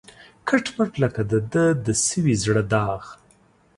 کټ مټ لکه د ده د سوي زړه داغ